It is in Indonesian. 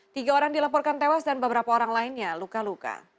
tiga orang dilaporkan tewas dan beberapa orang lainnya luka luka